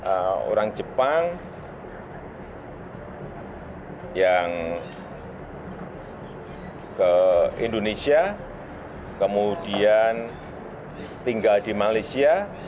ada orang jepang yang ke indonesia kemudian tinggal di malaysia